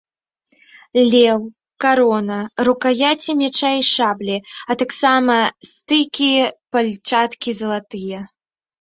Леў, карона, рукаяці мяча і шаблі, а таксама стыкі пальчаткі залатыя.